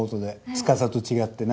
司と違ってな。